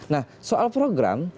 nah soal program